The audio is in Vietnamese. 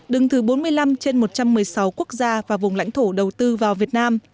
đứng thứ bốn mươi năm trên một trăm một mươi sáu quốc gia và vùng lãnh thổ đầu tư vào việt nam